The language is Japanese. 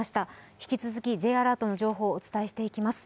引き続きＪアラートの情報をお伝えしてまいります。